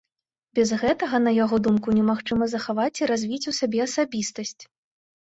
Без гэтага, на яго думку, немагчыма захаваць і развіць у сабе асабістасць.